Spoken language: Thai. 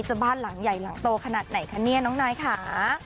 บ้านหลังใหญ่หลังโตขนาดไหนคะเนี่ยน้องนายค่ะ